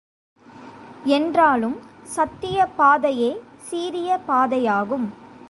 என்றாலும், சத்தியப் பாதையே சீரிய பாதையாகும்.